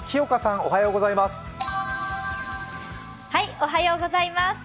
おはようございます。